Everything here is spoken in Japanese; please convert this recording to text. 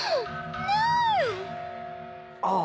ああ。